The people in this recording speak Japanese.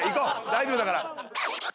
大丈夫だから。